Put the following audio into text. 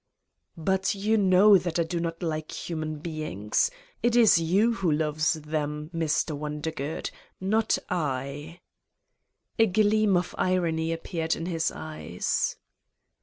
"But you know that I do not like human beings. It is you who loves them Mr. Wondergood, not I." A gleam of irony appeared in his eyes.